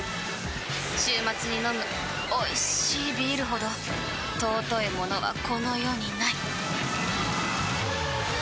週末に飲むおいしいビールほど尊いものはこの世にない！